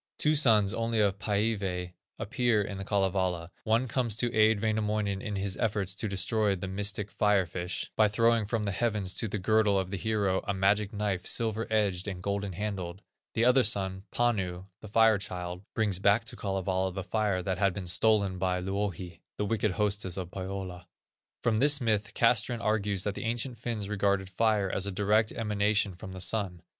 Two sons only of Pæivæ appear in The Kalevala, one comes to aid Wainamoinen in his efforts to destroy the mystic Fire fish, by throwing from the heavens to the girdle of the hero, a "magic knife, silver edged, and golden handled;" the other son, Panu, the Fire child, brings back to Kalevala the fire that bad been stolen by Louhi, the wicked hostess of Pohyola. From this myth Castrén argues that the ancient Finns regarded fire as a direct emanation from the Sun.